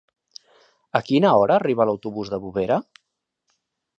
A quina hora arriba l'autobús de Bovera?